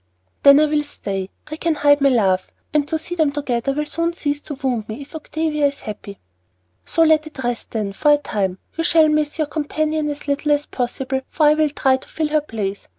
"Then I will stay. I can hide my love; and to see them together will soon cease to wound me, if Octavia is happy." "So let it rest then, for a time. You shall miss your companion as little as possible, for I will try to fill her place.